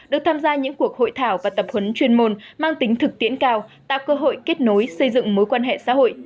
được tham gia những cuộc hội thảo và tập huấn chuyên môn mang tính thực tiễn cao tạo cơ hội kết nối xây dựng mối quan hệ xã hội